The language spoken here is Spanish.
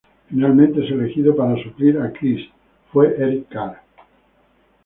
Finalmente, el elegido para suplir a Criss fue Eric Carr.